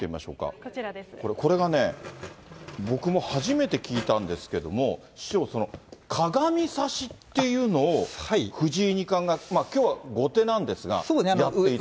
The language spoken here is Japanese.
これがね、僕も初めて聞いたんですけども、師匠、かがみ指しっていうのを藤井二冠が、きょうは後手なんですが。